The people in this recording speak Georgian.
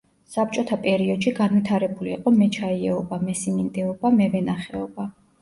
საბჭოთა პერიოდში განვითარებული იყო მეჩაიეობა, მესიმინდეობა, მევენახეობა.